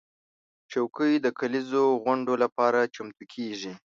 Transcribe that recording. چوکۍ د کليزو غونډو لپاره چمتو کېږي.